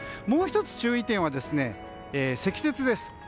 もう１つ注意点は、積雪です。